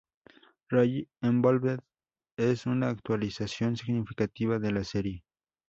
Rally Evolved es una actualización significativa de la serie.